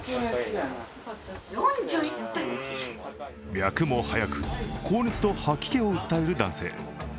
脈も速く、高熱と吐き気を訴える男性。